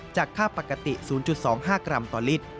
จากค่าปกติ๐๒๕กรัมต่อลิตร